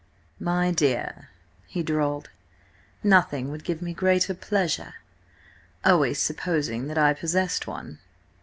"My dear," he drawled, "nothing would give me greater pleasure—always supposing that I possessed one."